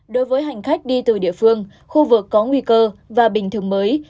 đối với hành khách đi từ địa phương khu vực có nguy cơ và bình thường mới